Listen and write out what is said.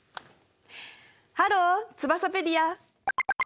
ハローツバサペディア！